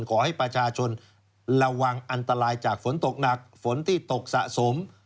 ขอให้ประชาชนระวังอันตรายจากฝนตกหนักฝนที่ตกสะสม